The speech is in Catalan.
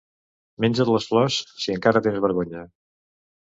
Menja't les flors, si encara tens vergonya.